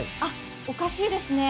おかしいですね。